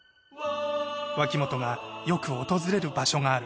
脇本がよく訪れる場所がある。